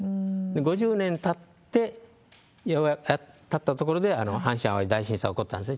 ５０年たったところで阪神・淡路大震災が起こったんですね。